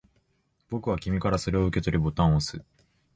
僕は君からそれを受け取り、ボタンを押す